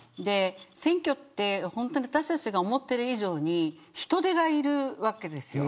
選挙って私たちが思っている以上に人手がいるわけですよ。